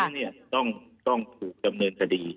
อันนั้นต้องถูกดำเนินทะดี